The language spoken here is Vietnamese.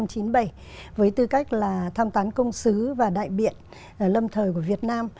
một cái nhiệm kỳ công tác là tham tán công xứ và đại biện lâm thời của việt nam